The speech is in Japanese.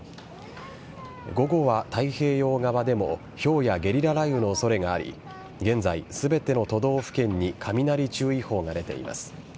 午後は太平洋側でもひょうやゲリラ雷雨の恐れがあり現在、全ての都道府県に雷注意報が出ています。